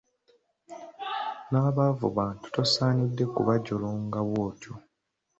N'abaavu bantu tosaanidde kubajolonga bw'otyo.